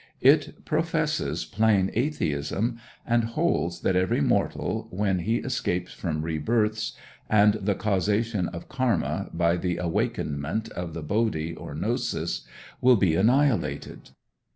It professes plain atheism, and holds that every mortal, when he escapes from re births, and the causation of Karma by the awakenment of the Bodhi or gnosis, will be annihilated.